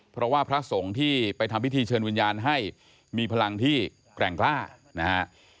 เพราะว่าพระสงฆ์ที่ไปทำพิธีเชิญวิญญาณให้มีพลังที่แกร่งกล้านะฮะ